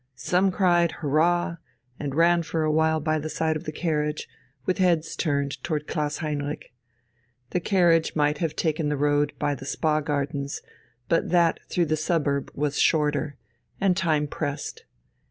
Some cried, Hurrah! and ran for a while by the side of the carriage, with heads turned towards Klaus Heinrich. The carriage might have taken the road by the Spa gardens; but that through the suburb was shorter, and time pressed.